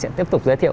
sẽ tiếp tục giới thiệu